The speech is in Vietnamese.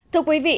thưa quý vị